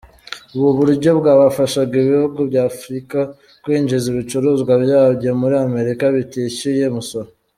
Ubu buryo bwafashaga ibihugu by’Afrika kwinjiza ibicuruzwa byabyo muri Amerika bitishyuye umusoro.